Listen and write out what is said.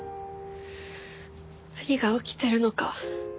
何が起きてるのか